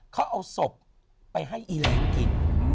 เขาเอาศพไปให้อีแรงกิน